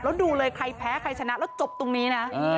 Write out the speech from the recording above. แล้วดูเลยใครแพ้ใครชนะแล้วจบตรงนี้นะ